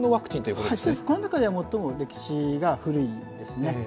この中では最も歴史が古いですね。